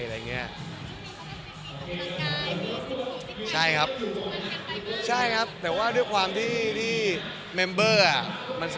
มีอีกประมาณ๑๐ปีมีอีกประมาณ๑๐ปีมีอีกประมาณ๑๐ปี